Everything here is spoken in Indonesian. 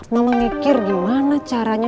mama mikir gimana caranya